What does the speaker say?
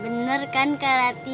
bener kan kak rati